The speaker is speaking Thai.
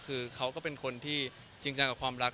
คือเขาก็เป็นคนที่จริงจังกับความรัก